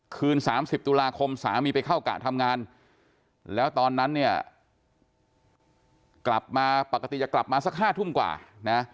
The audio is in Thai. คืน๓๐ตุลาคมสามีไปเข้ากะทำงานแล้วตอนนั้นเนี่ยกลับมาปกติจะกลับมาสัก๕ทุ่มกว่านะ